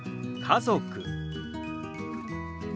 家族。